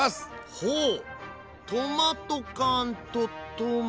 ほうトマト缶とトマト。